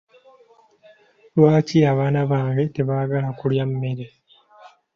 Lwaki abaana bange tebaagala kulya mmere?